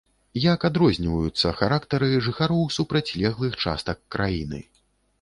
Як адрозніваюцца характары жыхароў супрацьлеглых частак краіны?